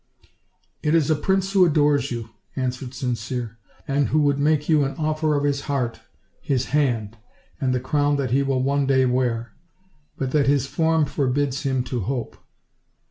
"It is a prince who adores you," answered Sincere, "and who would make you an offer of his heart, his hand, and the crown that he will one day wear; but that his form forbids him to hope."